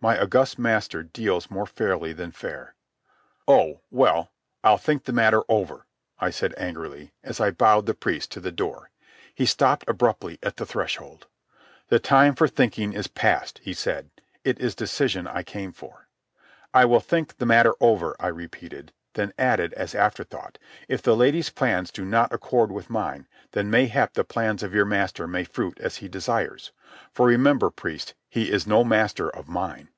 My august master deals more fairly than fair." "Oh, well, I'll think the matter over," I said airily, as I bowed the priest to the door. He stopped abruptly at the threshold. "The time for thinking is past," he said. "It is decision I came for." "I will think the matter over," I repeated, then added, as afterthought: "If the lady's plans do not accord with mine, then mayhap the plans of your master may fruit as he desires. For remember, priest, he is no master of mine."